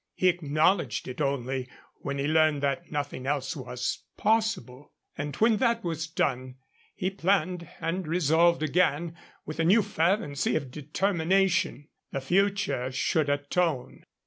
He acknowledged it only when he learned that nothing else was possible. And when that was done he planned and resolved again, with a new fervency of determination. The future should atone.